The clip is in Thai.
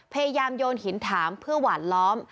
พยายามโยนหินถามเพื่อหวานล้อม